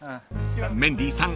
［メンディーさん